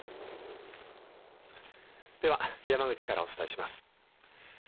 では、山口からお伝えします。